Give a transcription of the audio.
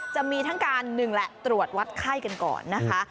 จะมีทั้งการหนึ่งแหละตรวจวัดไข้กันก่อนนะคะ